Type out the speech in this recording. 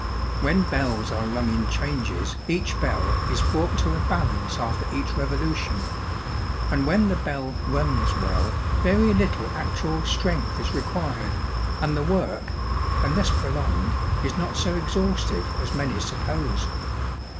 When bells are rung in changes, each bell is brought to a balance after each revolution; and when the bell 'runs' well, very little actual strength is required, and the work, unless prolonged, is not so exhaustive as many suppose.